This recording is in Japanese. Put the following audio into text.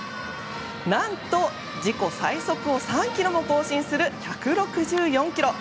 何と、自己最速を３キロも更新する１６４キロ。